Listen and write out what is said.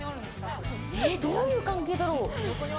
どういう関係だろう。